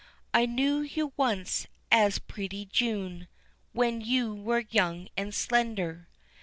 "I knew you once as pretty June, When you were young and slender.